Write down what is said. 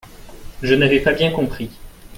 Je n'avais pas bien compris.